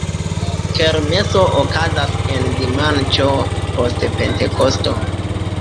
Kermeso okazas en dimanĉo post Pentekosto.